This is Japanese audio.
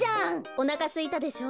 おなかすいたでしょ？